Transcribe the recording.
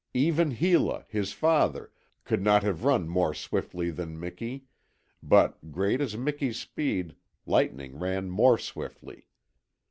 Even Hela, his father, could not have run more swiftly than Miki, but great as was Miki's speed, Lightning ran more swiftly.